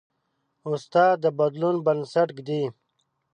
استاد د بدلون بنسټ ایږدي.